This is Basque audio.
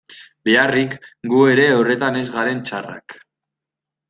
Beharrik, gu ere horretan ez garen txarrak...